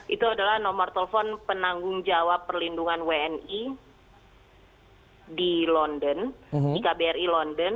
itu adalah nomor telepon penanggung jawab perlindungan wni di london di kbri london